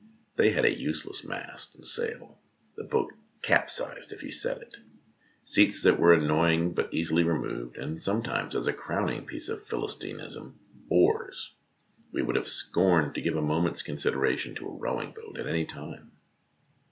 They had a useless mast and sail (the boat capsized if you set it), seats that were annoying but easily removed, and sometimes, as a crowning piece of Philis tinism, oars ! We would have scorned to give a moment's consideration to a rowing boat at any time.